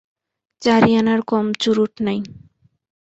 চারি আনার কম চুরুট নাই।